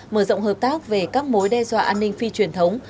mở rộng hợp tác về các mối đe dọa an ninh phi truyền thống